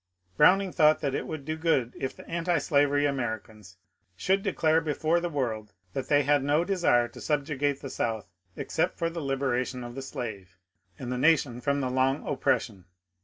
Browning thought that it would do good if the antislavery Americans should declare before the world that they had no desire to subjugate the South except for the liberation of the slave and the nation from the long oppression.